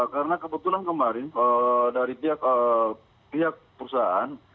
karena kebetulan kemarin dari pihak perusahaan